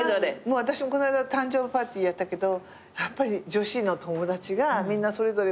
私もこないだ誕生日パーティーやったけどやっぱり女子の友達がみんなそれぞれ持ち寄りで。